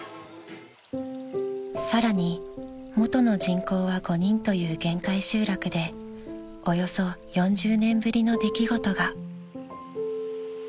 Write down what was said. ［さらにもとの人口は５人という限界集落でおよそ４０年ぶりの出来事が］